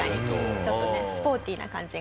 ちょっとねスポーティーな感じが。